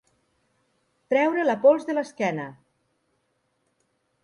Treure la pols de l'esquena.